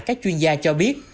các chuyên gia cho biết